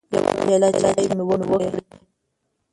يوه پياله چايي مې وکړې